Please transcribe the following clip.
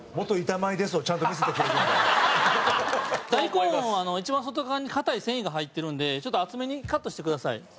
大根一番外側に硬い繊維が入ってるんでちょっと厚めにカットしてください。